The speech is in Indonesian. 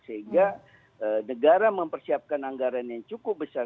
sehingga negara mempersiapkan anggaran yang cukup besar